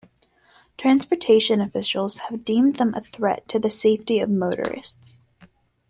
Transportation officials have deemed them a threat to the safety of motorists.